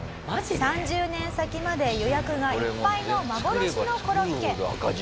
３０年先まで予約がいっぱいの幻のコロッケ。